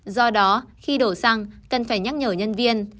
do đó khi đổ xăng cần phải nhắc nhở nhân viên